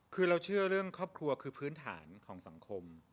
คือเราเชื่อเรื่องครอบครัวคือพื้นฐานของสังคม